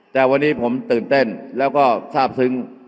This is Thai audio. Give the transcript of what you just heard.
แต่วันนี้ผมตื่นเต้นแล้วก็ทราบซึ้ง